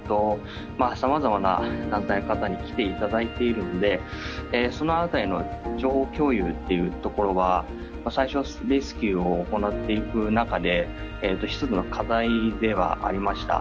さまざまな団体の方に来て頂いているんでそのあたりの情報共有っていうところは最初レスキューを行っていく中で一つの課題ではありました。